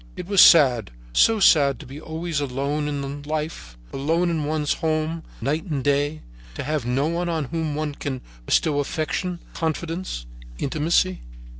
It was sad, so sad to be always alone in life, alone in one's home, night and day, to have no one on whom one can bestow affection, confidence, intimacy.